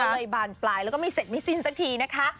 ก็เลยบานปลายแล้วก็ไม่เสร็จไม่สิ้นสักทีนะคะ